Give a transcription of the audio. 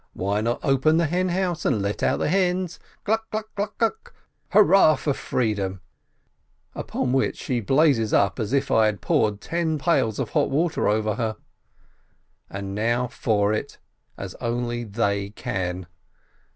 Why not open the hen house, and let out the hens? Chuck — chuck — chuck, hurrah for freedom !" Upon which she blazes up as if I had poured ten pails of hot water over her. And now for it! As only they can!